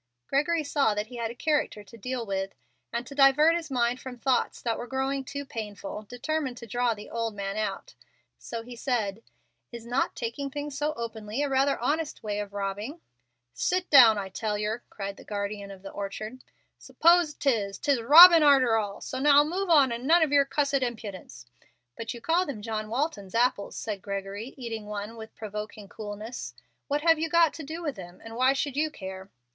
Gregory saw that he had a character to deal with, and, to divert his mind from thoughts that were growing too painful, determined to draw the old man out; so he said, "Is not taking things so openly a rather honest way of robbing?" "Git down, I tell yer," cried the guardian of the orchard. "Suppose 'tis, it's robbin' arter all. So now move on, and none of yer cussed impudence." "But you call them John Walton's apples," said Gregory, eating one with provoking coolness. "What have you got to do with them? and why should you care?"